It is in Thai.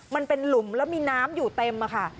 มันเป็นหลุมแล้วมีน้ำอยู่เต็มค่ะ